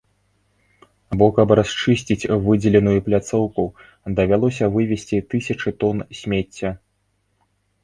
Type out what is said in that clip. Бо каб расчысціць выдзеленую пляцоўку, давялося вывезці тысячы тон смецця.